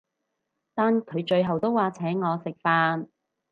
但佢最後都話請我食飯